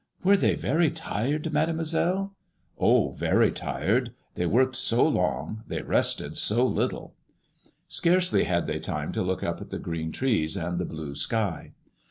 Were they very tired. Made moiselle 7 "" Oh, very tired. They worked so long; they rested so little. 90 MADEMOISELLB IXK. Scarcely had they time to look up at the green trees and the blue sky."